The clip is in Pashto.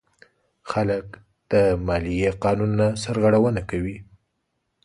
خلک د مالیې قانون نه سرغړونه کوي.